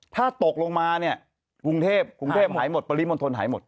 ถ้าตกลงมาเนี่ยกรุงเทพกรุงเทพหายหมดปริมณฑลหายหมด